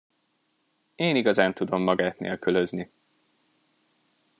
Én igazán tudom magát nélkülözni.